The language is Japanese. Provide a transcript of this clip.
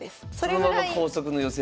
そのまま光速の寄せで。